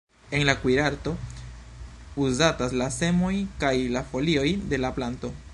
En la kuirarto uzatas la semoj kaj la folioj de la planto.